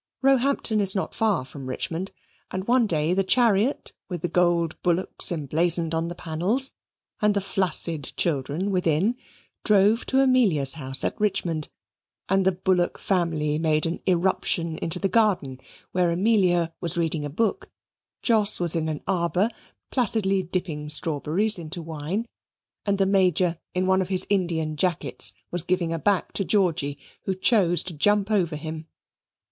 Roehampton is not far from Richmond, and one day the chariot, with the golden bullocks emblazoned on the panels, and the flaccid children within, drove to Amelia's house at Richmond; and the Bullock family made an irruption into the garden, where Amelia was reading a book, Jos was in an arbour placidly dipping strawberries into wine, and the Major in one of his Indian jackets was giving a back to Georgy, who chose to jump over him.